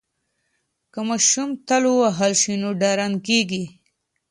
که ماشوم تل ووهل شي نو ډارن کیږي.